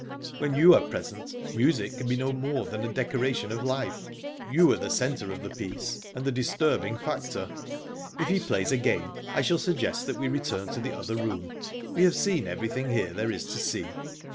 "When you are present, music can be no more than a decoration of life. You are the centre of the piece, and the disturbing factor. If he plays again, I shall suggest that we return to the other room. We have seen everything here there is to see."